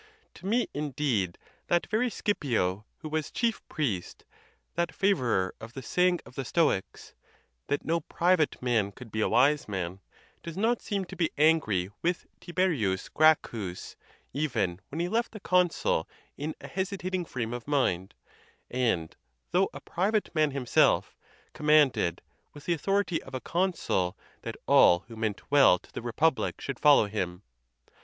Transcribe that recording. To me, indeed, that very Scipio' who was chief priest, that favorer of the saying of the Stoics, "That no private man could be a wise man," does not seem to be angry with Tiberius Gracchus, even when he left the consul in a hesitating frame of mind, and, though a private man himself, commanded, with the au thority of a consul, that all who meant well to the repub lic should follow him.